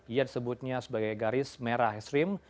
yang disebutnya sebagai garis merah ekstrim